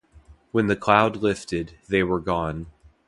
When the cloud lifted, they were gone.